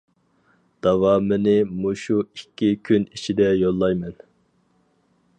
داۋامىنى مۇشۇ ئىككى كۈن ئىچىدە يوللايمەن.